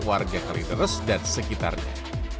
warga kalideres dan sekitarnya